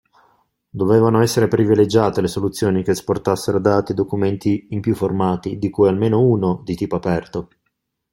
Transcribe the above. Dovevano essere privilegiate le soluzioni che esportassero dati e documenti in più formati, di cui almeno uno di tipo aperto.